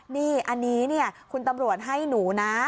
นี่อันนี้คุณตำรวจให้หนูนะ